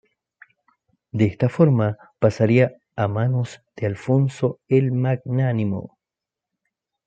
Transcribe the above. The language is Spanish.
De esta forma pasaría a manos de Alfonso el Magnánimo.